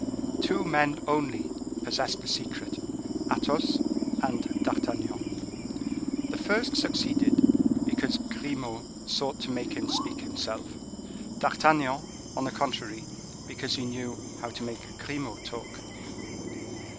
Two men only possessed the secret, Athos and D'Artagnan. The first succeeded, because Grimaud sought to make him speak himself; D'Artagnan, on the contrary, because he knew how to make Grimaud talk.